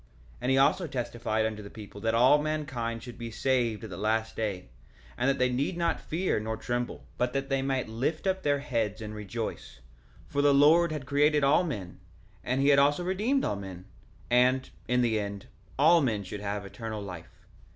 1:4 And he also testified unto the people that all mankind should be saved at the last day, and that they need not fear nor tremble, but that they might lift up their heads and rejoice; for the Lord had created all men, and had also redeemed all men; and, in the end, all men should have eternal life.